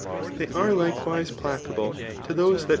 They are likewise placable to those CHAP.